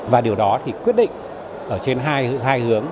và điều đó thì quyết định ở trên hai hướng